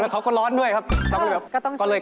เขาก็ร้อนด้วยครับ